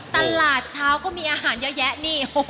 ตลาดเช้าก็มีอาหารเยอะแยะนี่